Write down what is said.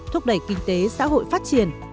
thúc đẩy kinh tế xã hội phát triển